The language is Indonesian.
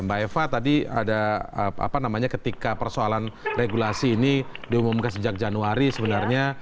mbak eva tadi ada apa namanya ketika persoalan regulasi ini diumumkan sejak januari sebenarnya